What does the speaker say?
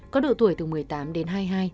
có độ tuổi từ một mươi tám đến hai mươi hai